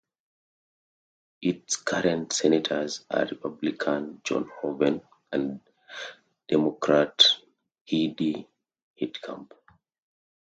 Its current Senators are Republican John Hoeven and Democrat Heidi Heitkamp.